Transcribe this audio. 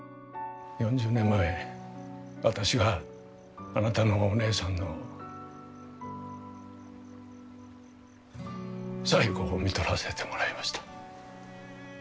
４０年前私があなたのお姉さんの最期をみとらせてもらいました。